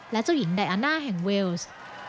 และเจ้าหญิงไดอาน่าแห่งเวลส์